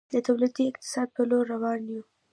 د تولیدي اقتصاد په لور روان یو؟